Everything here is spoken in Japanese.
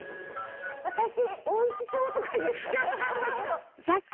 私おいしそう！とか言っちゃったんだけど。